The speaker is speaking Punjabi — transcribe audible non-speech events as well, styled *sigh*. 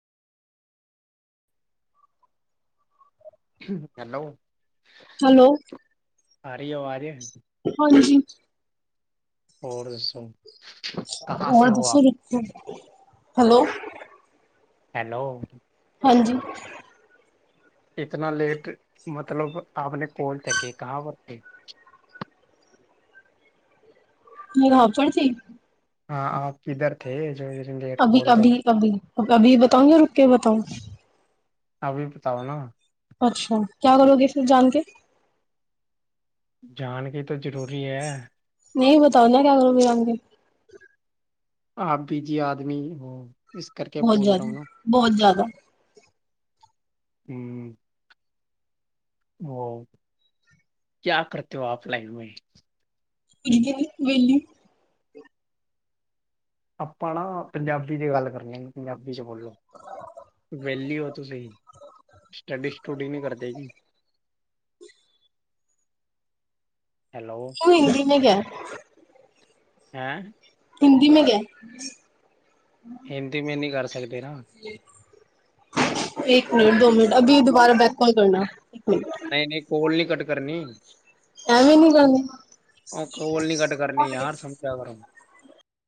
ਹੈਲੋ! ਹੈਲੋ ਆ ਰੀ ਆ ਅਵਾਜ਼? ਹਾਂਜੀ! ਹੋਰ ਦੱਸੋ? ਹੋਰ ਦੱਸੋ? ਹੈਲੋ! ਹੈਲੋ! ਹਾਂਜੀ! ਇਤਨਾ ਲੇਟ ਮਤਲਬ ਆਪਨੇ ਕੇ ਕੇ ਕਿਹਾ। *unintelligible* ਮੇਰਾ ਹੋਪਣ ਸੀ। *unintelligible* ਹਾਂ ਆਪ ਕਿੱਧਰ ਥੇ? ਜੋ ਇਤਨੀ ਲੇਟ ਪੋਰਟ ਜਾ *unintelligible* ਅਭੀ-ਅਭੀ ਬਤਾਊ ਯਾਂ ਰੁਕ ਕੇ ਬਤਾਊ? ਅਭੀ ਬਤਾਓ ਨਾ। ਅੱਛਾ ਕਿਆ ਕਰੋਗੇ ਫਿਰ ਜਾਣ ਕੇ ਜਾਣ ਕੇ ਤੇ ਜ਼ਰੂਰੀ ਐ। ਨਈ ਬਤਾਉ ਨਾ ਕਿਆ ਕਰੋਗੇ ਜਾਣਕੇ ਆਪ ਬੀਜੀ ਆਦਮੀ ਹੋ ਇਸ ਕਰਕੇ ਪੂਜ ਰਯਾ ਨੂੰ ਨਾ। ਹੂੰ ਓ ਕਿਆ ਕਰਤੇ ਹੋ ਆਪ ਲਾਈਨ ਮੇ ਕੁਝ ਵੀ ਨੀ ਵੇਲੀ ਆਪਾਂ ਨਾ ਪੰਜਾਬੀ 'ਚ ਗੱਲ ਕਰਨੀ ਪੰਜਾਬੀ 'ਚ ਬੋਲੋ। ਵੇਲੀ ਓ ਤੁਸੀਂ ਸਟੱਡੀ ਸਟੂਡੀ ਨਈ ਕਰਦੇ। ਹੈਲੋ ਹੈਂ। ਹਿੰਦੀ ਮੇ ਕਯਾ ਹਿੰਦੀ ਮੇ ਨੀ ਕਰ ਸਕਦੇ ਨਾ। ਇੱਕ ਮਿੰਟ ਦੋ ਮਿੰਟ ਅਗਲੀ ਦੁਬਾਰਾ ਬੈਕ ਕਾਲ ਕਰਨਾ। ਨਈ-ਨਈ ਕੋਲ ਨੀ ਕੱਟ ਕਰਨੀ। ਐਵੇਂ ਨੀ ਕਰਨੀ ਓ ਕੋਲ ਨੀ ਕੱਟ ਕਰਨੀ ਯਾਰ ਸਮਝਿਆ ਕਰੋ।